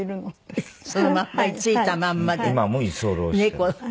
今も居候してます。